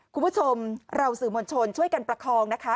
คุณผู้ชมเราสื่อมวลชนช่วยกันประคองนะคะ